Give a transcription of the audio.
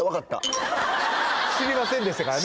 知りませんでしたからね